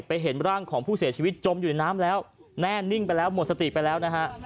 เห็นร่างของผู้เสียชีวิตจมอยู่ในน้ำแล้วแน่นิ่งไปแล้วหมดสติไปแล้วนะฮะ